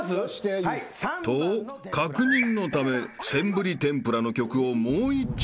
［と確認のためセンブリ天ぷらの曲をもういっちょ］